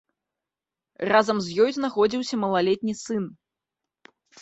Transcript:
Разам з ёй знаходзіўся малалетні сын.